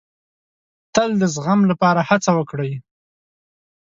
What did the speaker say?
تل د زغم لپاره هڅه وکړئ.